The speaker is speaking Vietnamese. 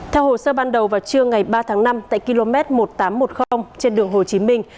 theo hồ sơ ban đầu vào trưa ngày ba tháng năm tại km một nghìn tám trăm một mươi trên đường hồ chí minh